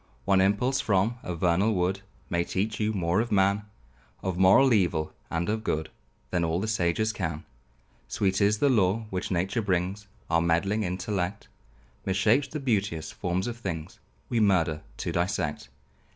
One impulse from a vernal wood May teach you more of man; Of moral evil and of good, Than all the sages can. Sweet is the lore which nature brings; Our meddling intellect Mishapes the beauteous forms of things; We murder to dissect.